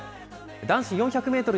男子４００メートル